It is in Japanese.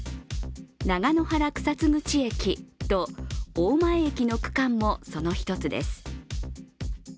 長野原草津口駅と大前駅の区間も、その一つです。